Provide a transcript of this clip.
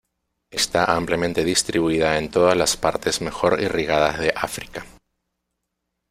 Está ampliamente distribuida en todas las partes mejor irrigadas de África.